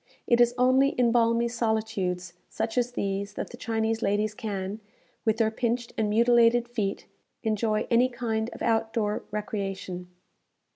It is only in balmy solitudes such as these that the Chinese ladies can, with their pinched and mutilated feet, enjoy any kind of out door recreation.